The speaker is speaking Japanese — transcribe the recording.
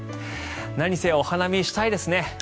なんにせよお花見したいですね。